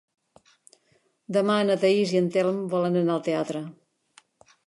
Demà na Thaís i en Telm volen anar al teatre.